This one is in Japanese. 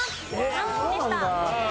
３でした。